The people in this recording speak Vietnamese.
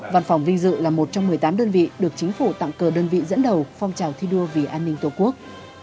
văn phòng vinh dự là một trong một mươi tám đơn vị được chính phủ tặng cờ đơn vị dẫn đầu phong trào thi đua vì an ninh tổ quốc